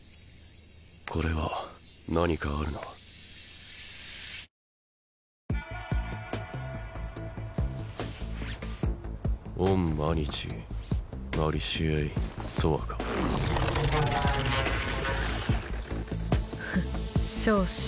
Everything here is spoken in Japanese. これは何かあるなオンアニチマリシエイソワカフン笑止